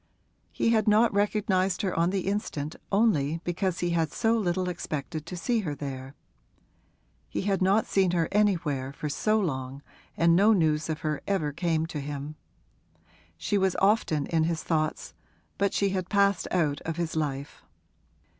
He had not recognised her on the instant only because he had so little expected to see her there; he had not seen her anywhere for so long, and no news of her ever came to him. She was often in his thoughts, but she had passed out of his life.